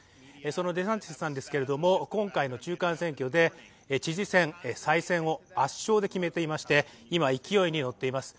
そのデサンティスさんですが今回の中間選挙で知事選再選を圧勝で決めていまして、今、勢いに乗っています。